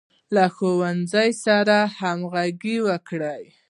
له ښوونکي سره همغږي وکړه.